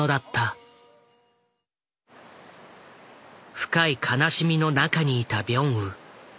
深い悲しみの中にいたビョンウ。